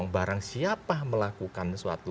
barang siapa melakukan suatu